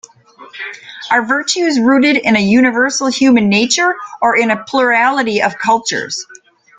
Are virtues rooted in a universal human nature or in a plurality of cultures?